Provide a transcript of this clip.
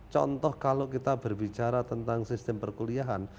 contoh kalau kita berbicara tentang sistem perkuliahan